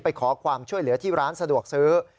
ไปขอความช่วยเหลือที่ร้านสะดวกซื้อ